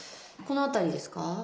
この辺りですか？